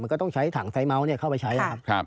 มันก็ต้องใช้ถังไซส์เมาส์เนี่ยเข้าไปใช้นะครับ